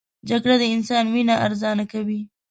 جګړه د انسان وینه ارزانه کوي